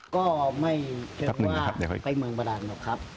ก็ไม่คิดว่าไปเมืองบาดานหรอกครับ